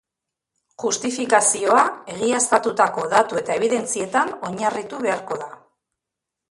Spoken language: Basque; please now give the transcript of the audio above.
Justifikazioa egiaztatutako datu eta ebidentzietan oinarritu beharko da.